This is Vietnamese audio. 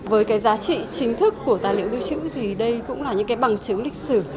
với cái giá trị chính thức của tài liệu lưu trữ thì đây cũng là những cái bằng chứng lịch sử